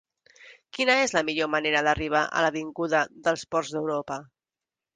Quina és la millor manera d'arribar a l'avinguda dels Ports d'Europa?